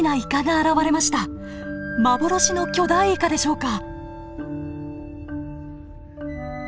幻の巨大イカでしょうか？